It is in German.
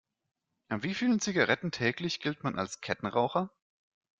Ab wie vielen Zigaretten täglich gilt man als Kettenraucher?